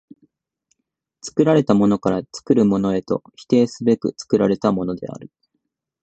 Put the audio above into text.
作られたものから作るものへと否定すべく作られたものである。